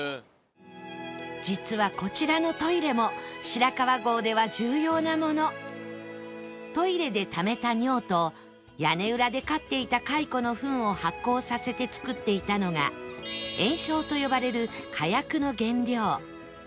実はこちらのトイレもトイレでためた尿と屋根裏で飼っていた蚕のフンを発酵させて作っていたのが焔硝と呼ばれる火薬の原料